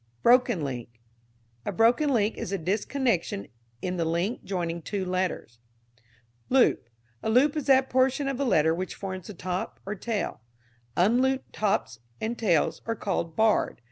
Broken link. A broken link is a disconnection in the link joining two letters. Loop. A loop is that portion of a letter which forms the top or tail. Unlooped tops and tails are called "barred."